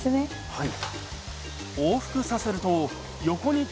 はい。